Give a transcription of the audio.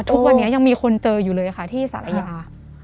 ทุกวันนี้ยังมีคนเจออยู่เลยค่ะที่สารยา